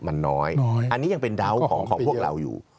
มันน้อยอันนี้ยังเป็นเดาท์ของพวกเราอยู่